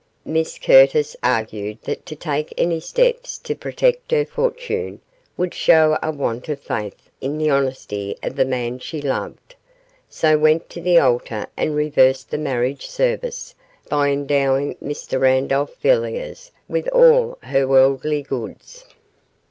Miss Curtis argued that to take any steps to protect her fortune would show a want of faith in the honesty of the man she loved, so went to the altar and reversed the marriage service by endowing Mr Randolph Villiers with all her worldly goods.